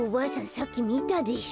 さっきみたでしょ。